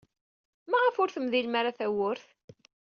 Maɣef ur temdilem ara tawwurt?